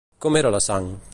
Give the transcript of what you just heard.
Com era la sang?